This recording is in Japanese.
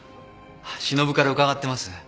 しのぶから伺ってます。